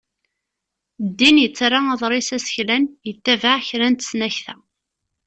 Ddin yettarra aḍris aseklan yettabaɛ kra n tesnakta.